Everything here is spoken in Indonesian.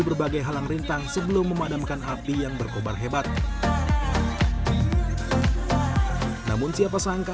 berbagai halang rintang sebelum memadamkan api yang berkobar hebat namun siapa sangka